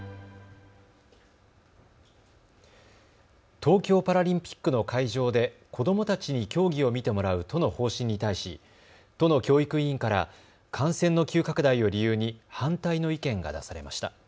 東京パラリンピックの会場で子どもたちに競技を見てもらう都の方針に対し都の教育委員から感染の急拡大を理由に反対の意見が出されました。